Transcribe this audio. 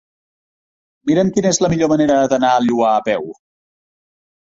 Mira'm quina és la millor manera d'anar al Lloar a peu.